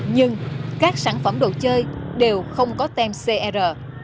nhưng các sản phẩm đồ chơi đều không có tem cr